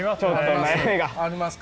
あります？